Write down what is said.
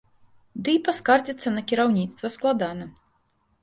Дый паскардзіцца на кіраўніцтва складана.